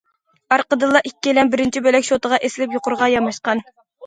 ئارقىدىنلا ئىككىيلەن بىرىنچى بۆلەك شوتىغا ئېسىلىپ يۇقىرىغا ياماشقان.